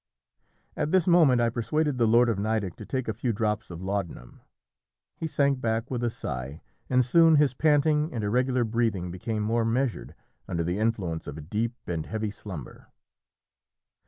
At this moment I persuaded the Lord of Nideck to take a few drops of Laudanum; he sank back with a sigh, and soon his panting and irregular breathing became more measured under the influence of a deep and heavy slumber.